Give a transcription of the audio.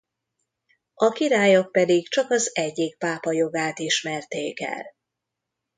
A királyok pedig csak az egyik pápa jogát ismerték el.